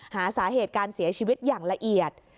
หาสาเหตุการเสียชีวิตอย่างละเอียด